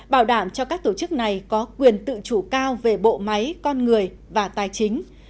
bảo đảm cho các tổ chức này có quyền tự chủ cao về bộ máy con người và tài chính